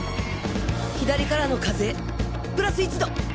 左からの風プラス１度。